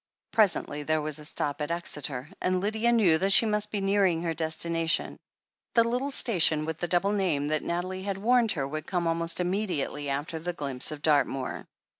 Presently there was a stop at Exeter, and Lydia knew that she must be nearing her destination, the little station with the double name, that Nathalie had warned her would come almost immediately after the glimpse of Dartmoor.